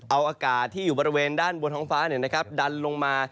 เอาอากาศที่อยู่บริเวณด้านบนท้องฟ้าดันลงมา